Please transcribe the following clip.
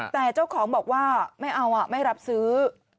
แต่เจ้าของบอกว่าไม่เอาไม่รับซื้อ